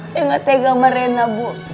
jangan tega sama renna bu